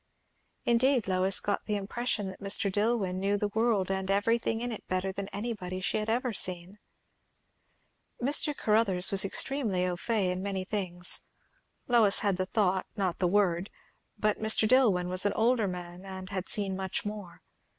Indeed, Lois got the impression that Mr. Dillwyn knew the world and everything in it better than anybody she had ever seen. Mr. Caruthers was extremely au fait in many things; Lois had the thought, not the word; but Mr. Dillwyn was an older man and had seen much more.